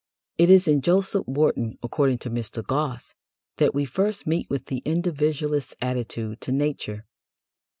It is in Joseph Warton, according to Mr. Gosse, that we first meet with "the individualist attitude to nature."